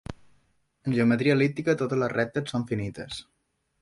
En geometria el·líptica, totes les rectes són finites.